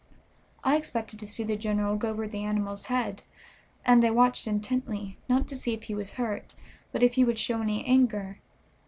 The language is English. I expected to see the general go over the animal's head, and I watched intently, not to see if he was hurt, but if he would show any anger.